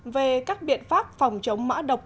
về các biện pháp phòng chống mã độc